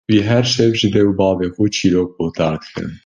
Wî her şev ji dê û bavê xwe çîrok guhdar dikirin.